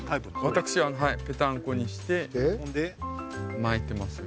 私ぺたんこにして巻いてますよ。